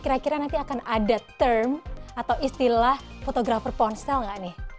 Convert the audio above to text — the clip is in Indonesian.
kira kira nanti akan ada term atau istilah fotografer ponsel nggak nih